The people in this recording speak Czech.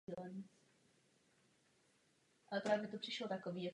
Bývalí i současní členové New Directions se scházejí pro poslední velkolepé vystoupení.